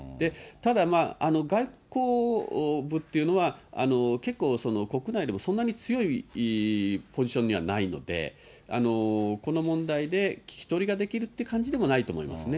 ただまあ、外交部っていうのは、結構国内でもそんなに強いポジションにはないので、この問題で聞き取りができるって感じでもないと思いますね。